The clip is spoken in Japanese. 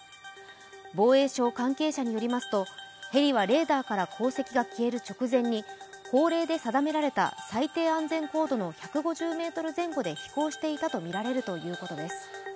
防衛省関係者によりますと、ヘリはレーダーから航跡が消える直前に法令で定められた最低安全高度の１５０ｍ前後で飛行していたとみられるということです。